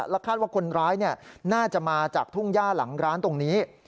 คาดว่าคนร้ายน่าจะมาจากทุ่งย่าหลังร้านตรงนี้